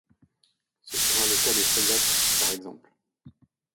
Ce sera le cas des frégates, par exemple.